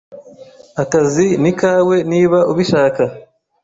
Akazi ni kawe niba ubishaka.